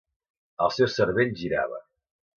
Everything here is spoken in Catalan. El seu cervell girava.